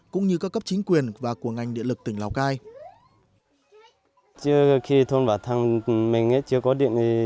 cũng như các cấp chính quyền và của ngành điện lực tỉnh lào cai